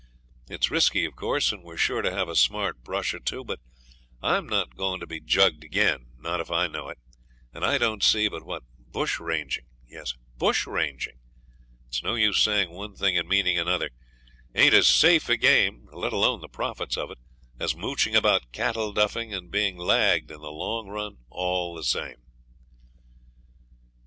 It's risky, of course, and we're sure to have a smart brush or two; but I'm not going to be jugged again, not if I know it, and I don't see but what bush ranging yes, BUSH RANGING, it's no use saying one thing and meaning another ain't as safe a game, let alone the profits of it, as mooching about cattle duffing and being lagged in the long run all the same.'